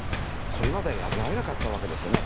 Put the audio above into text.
それまでは破られなかったんですね。